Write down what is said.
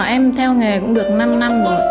em theo nghề cũng được năm năm rồi